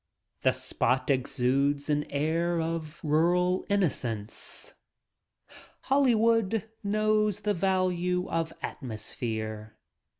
The spot exudes an air of rural innocence. Hollywood knows the value of "atmosphere."